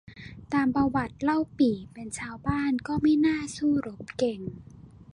ตามประวัติเล่าปี่เป็นชาวบ้าน ก็ไม่น่าสู้รบเก่ง